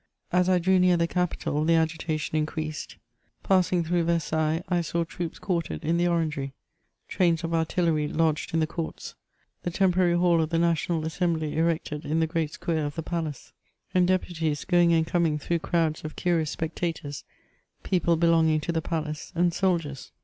As I drew near the capital, the agitation increased; passing through Versailles, I saw troops quartered in the Orangery ; trains of artiUery lodged in the courts ; the temporary hall of the National Assembly erected in the great square of the palace, and deputies going and coining through crowds of curious spectators, people belonging to the palace, and soldiers.